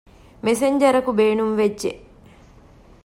މެސެންޖަރަކު ބޭނުންވެއްޖެ